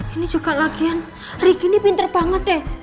ini juga lagian riki ini pinter banget deh